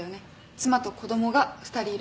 妻と子供が２人いる。